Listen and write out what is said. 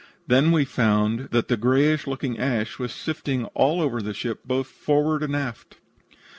Then we found that the grayish looking ash was sifting all over the ship, both forward and aft.